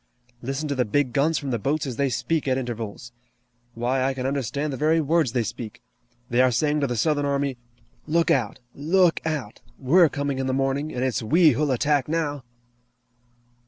Listen to the big guns from the boats as they speak at intervals! Why, I can understand the very words they speak! They are saying to the Southern army: 'Look out! Look out! We're coming in the morning, and it's we who'll attack now!'"